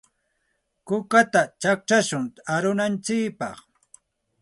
Kukata chaqchashun arunantsikpaq.